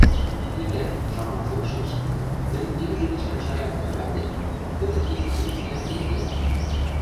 Икӓнӓ, шамак толшеш, нӹл имжӹ гишӓн шаям тӓрвӓтен, тӹдӹ Изи принцлӓн тенге маньы: